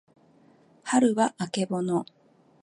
はるはあけぼの